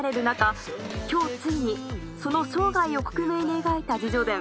今日ついにその生涯を克明に描いた自叙伝